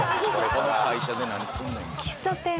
この会社で何すんねん。